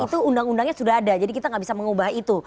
itu undang undangnya sudah ada jadi kita nggak bisa mengubah itu